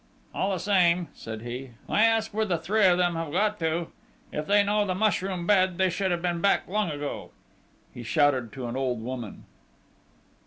"All the same," said he, "I ask where the three of them have got to?... If they know the mushroom bed, they should have been back long ago!" He shouted to an old woman.